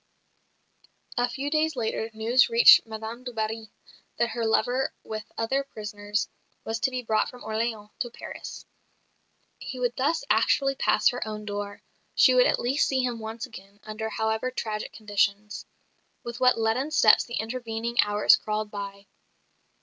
A few days later news reached Madame du Barry that her lover, with other prisoners, was to be brought from Orleans to Paris. He would thus actually pass her own door; she would at least see him once again, under however tragic conditions. With what leaden steps the intervening hours crawled by!